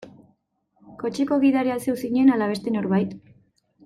Kotxeko gidaria zeu zinen ala beste norbait?